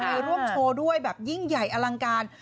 ไปร่วมโชว์ด้วยแบบยิ่งใหญ่อลังการ